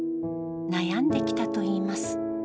悩んできたといいます。